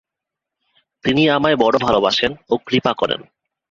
তিনি আমায় বড় ভালবাসেন ও কৃপা করেন।